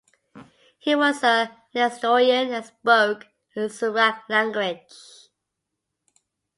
He was a Nestorian and spoke the Syriac language.